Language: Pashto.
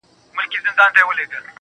چې دا مونږ ولې پیدا شوو